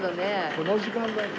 この時間だって。